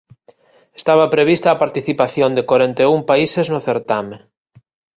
Estaba prevista a participación de corenta e un países no certame.